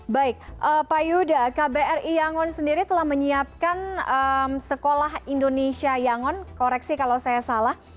baik pak yuda kbri yangon sendiri telah menyiapkan sekolah indonesia yangon koreksi kalau saya salah